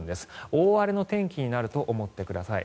大荒れの天気になると思ってください。